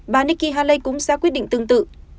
bà nikki haley cũng sẽ quyết định tương tự